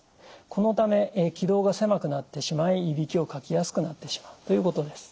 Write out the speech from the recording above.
このため気道が狭くなってしまいいびきをかきやすくなってしまうということです。